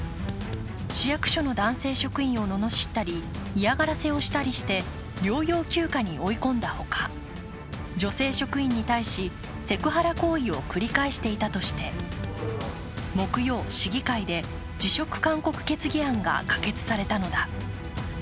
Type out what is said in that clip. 市役所の男性職員をののしったり、嫌がらせをしたりして療養休暇に追い込んだほか女性職員に対し、セクハラ行為を繰り返していたとして木曜、市議会で辞職勧告決議案が可決されたのだ。